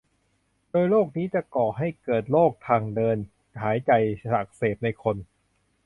โดยโรคนี้จะก่อให้เกิดโรคทางเดินหายใจอักเสบในคน